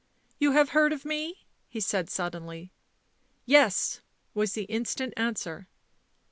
11 You have heard of me?" he said suddenly. <c Yes," was the instant answer.